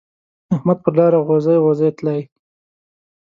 احمد پر لار غوزی غوزی تلی.